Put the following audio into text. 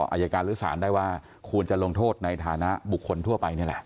อายการหรือสารได้ว่าควรจะลงโทษในฐานะบุคคลทั่วไปนี่แหละ